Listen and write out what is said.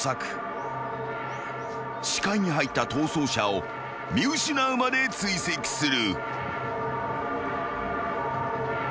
［視界に入った逃走者を見失うまで追跡する］